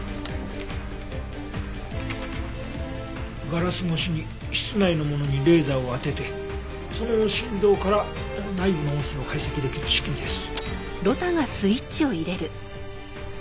ガラス越しに室内のものにレーザーを当ててその振動から内部の音声を解析できる仕組みです。